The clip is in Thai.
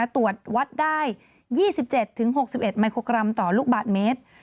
ตรวจวัดได้๒๗๖๑มิโครกรัมต่อลูกบาทเมตร